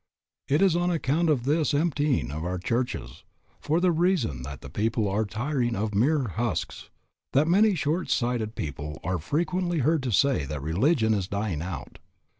It is on account of this emptying of our churches, for the reason that the people are tiring of mere husks, that many short sighted people are frequently heard to say that religion is dying out.